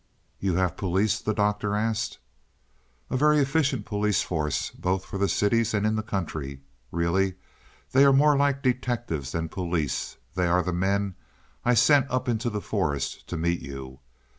"You have police?" the Doctor asked. "A very efficient police force, both for the cities and in the country. Really they are more like detectives than police; they are the men I sent up into the forest to meet you.